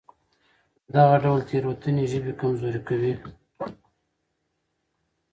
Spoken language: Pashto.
دغه ډول تېروتنې ژبه کمزورې کوي.